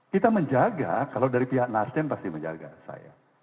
kita menjaga kalau dari pihak nasdem pasti menjaga saya